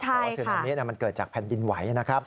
เพราะว่าซึนามิมันเกิดจากแผ่นดินไหวนะครับ